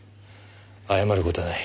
謝る事はない。